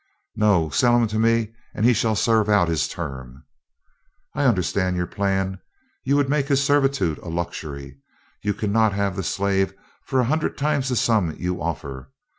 "No. Sell him to me, and he shall serve out his term." "I understand your plan. You would make his servitude a luxury. You cannot have the slave for a hundred times the sum you offer.